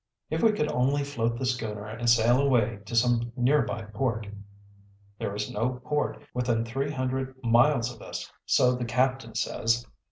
"If we could only float the schooner and sail away to some nearby port." "There is no port' within three hundred miles of us, so the captain says."